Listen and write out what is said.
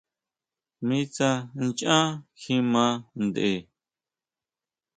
Mi tsá ʼnchan kjima ntʼe.